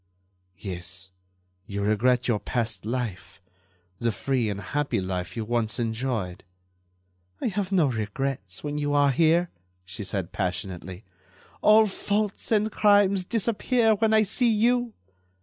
"Yes, you regret your past life—the free and happy life you once enjoyed." "I have no regrets when you are here," she said, passionately. "All faults and crimes disappear when I see you.